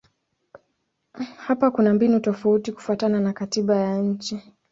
Hapa kuna mbinu tofauti kufuatana na katiba ya nchi.